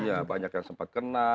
ya banyak yang sempat kena